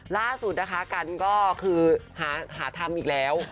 ล่าสุดนะคะกันก็คือหาทำอีกแล้ว